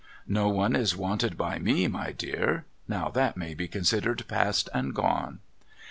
' No one is wanted Iiy vie my dear. Now that may be considered past and gone.'